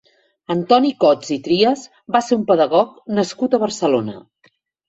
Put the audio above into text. Antoni Cots i Trias va ser un pedagog nascut a Barcelona.